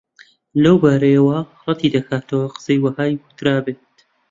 لەو بارەیەوە ڕەتی دەکاتەوە قسەی وەها وترابێت